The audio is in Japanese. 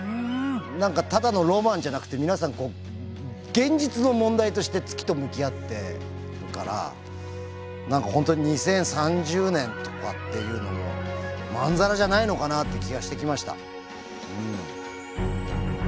何かただのロマンじゃなくて皆さんこう現実の問題として月と向き合ってるから何か本当に２０３０年とかっていうのもまんざらじゃないのかなって気がしてきました。